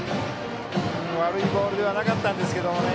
悪いボールではなかったんですけどね。